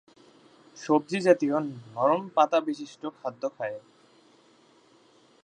সবজি জাতীয় নরম পাতা বিশিষ্ট খাদ্য খায়।